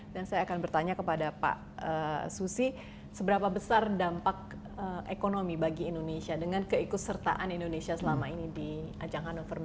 dan saya akan bertanya kepada pak susi seberapa besar dampak ekonomi bagi indonesia dengan keikutsertaan indonesia selama ini di ajang hannover mes pak